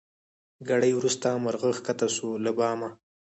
ګړی وروسته مرغه کښته سو له بامه